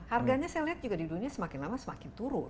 harganya saya lihat juga di dunia semakin lama semakin turun